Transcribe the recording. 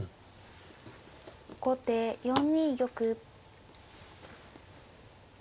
後手４二玉。